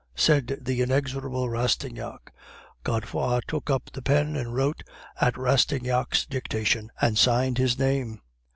said the inexorable Rastignac. "Godefroid took up the pen, wrote at Rastignac's dictation, and signed his name.